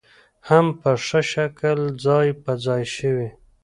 هم په ښه شکل ځاى په ځاى شوې